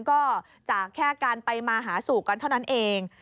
ก็จากแค่การไปมาหาสู่กันเท่านั้นเอง